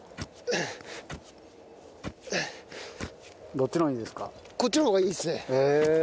どっちの方がいいですか？